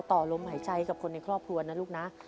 ครอบครัวของเราต่อลมหายใจกับคนในครอบครัวนะลูกนะ